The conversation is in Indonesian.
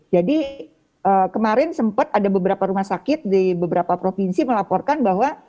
jadi kemarin sempat ada beberapa rumah sakit di beberapa provinsi melaporkan bahwa